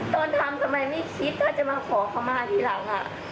ตอนทำทำไมไม่คิดถ้าจะมาขอเข้ามาทีหลัง